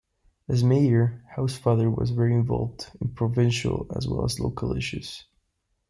As Mayor, Housefather was very involved in provincial as well as local issues.